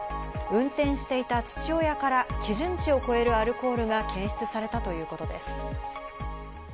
運転していた父親から基準値を超えるアルコールが検出されたということです。